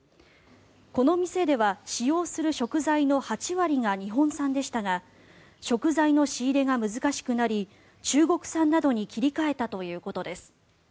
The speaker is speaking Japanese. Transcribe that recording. この店では使用する食材の８割が日本産でしたが食材の仕入れが難しくなり中国産などに切り替えたということです。